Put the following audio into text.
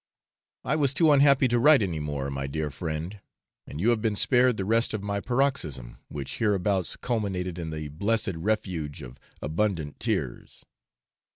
I was too unhappy to write any more, my dear friend, and you have been spared the rest of my paroxysm, which hereabouts culminated in the blessed refuge of abundant tears.